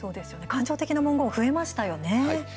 感情的な文言、増えましたよね。